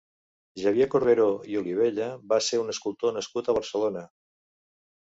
Xavier Corberó i Olivella va ser un escultor nascut a Barcelona.